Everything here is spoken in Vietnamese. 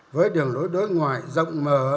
với đường đối ngoại rộng mở